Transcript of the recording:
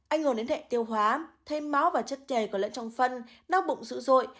anh hồn đến hệ tiêu hóa thêm máu và chất chè có lẫn trong phân đau bụng dữ dội